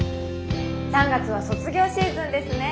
３月は卒業シーズンですね。